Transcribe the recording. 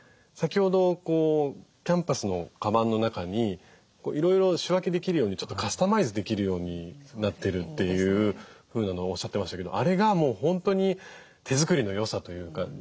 先ほどキャンパスのカバンの中にいろいろ仕分けできるようにちょっとカスタマイズできるようになってるというふうなのをおっしゃってましたけどもあれがもう本当に手作りの良さというか。